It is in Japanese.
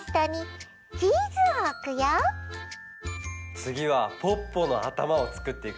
つぎはポッポのあたまをつくっていくよ。